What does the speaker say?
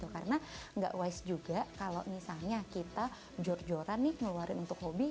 karena gak wise juga kalau misalnya kita jor joran nih ngeluarin untuk hobi